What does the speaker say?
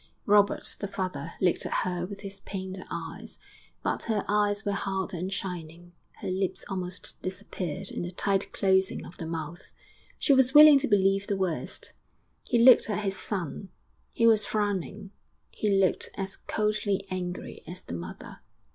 Robert, the father, looked at her with his pained eyes, but her eyes were hard and shining, her lips almost disappeared in the tight closing of the mouth. She was willing to believe the worst. He looked at his son; he was frowning; he looked as coldly angry as the mother.